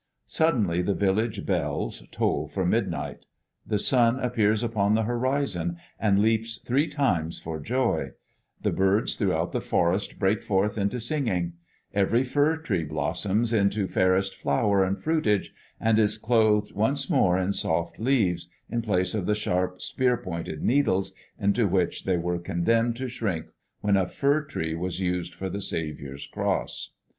Suddenly the village bells toll for midnight. The sun appears upon the horizon and leaps three times for joy; the birds throughout the forest break forth into singing; every fir tree blossoms into fairest flower and fruitage, and is clothed once more in soft leaves, in place of the sharp, spearpointed needles into which they were condemned to shrink when a fir tree was used for the Saviour's cross.